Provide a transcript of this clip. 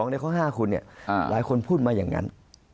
๑๑๒ในข้อ๕คุณเนี่ยหลายคนพูดมาอย่างนั้น